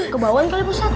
kebawan kali bosat